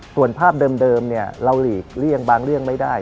ส่วนภาพเดิมเราหลีกเลี่ยงบางเรื่องไม่ได้